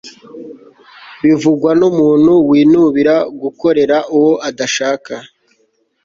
bivugwa n'umuntu winubira gukorera uwo adashaka